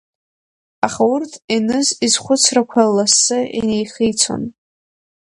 Аха урҭ Еныз изхәыцрақәа лассы инеихицон.